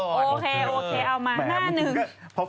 เรื่องน้ำทั่วมาค่ะเรื่องใกล้ตัวเรา